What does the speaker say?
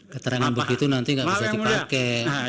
keterangan begitu nanti nggak bisa dipakai